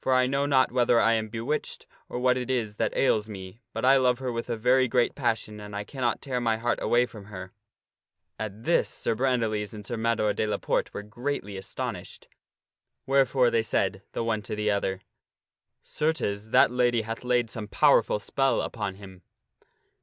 For I know not whether I am bewitched or what it is that ails me, but I love her with a very great passion and I cannot tear my heart away from her." At this Sir Brandiles and Sir Mador de la Porte were greatly astonished, wherefore they said the one to the other, " Certes, that lady hath laid some powerful spell upon him."